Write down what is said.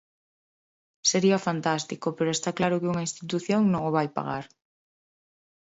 Sería fantástico, pero está claro que unha institución non a vai pagar.